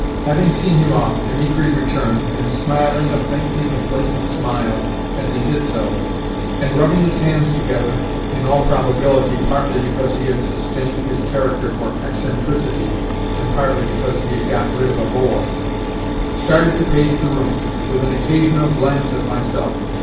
Having seen him off, Dimitri returned, and, smiling a faintly complacent smile as he did so, and rubbing his hands together (in all probability partly because he had sustained his character for eccentricity, and partly because he had got rid of a bore), started to pace the room, with an occasional glance at myself.